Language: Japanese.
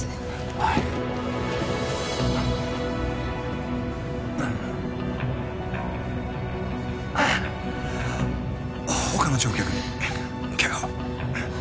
はい他の乗客にケガは？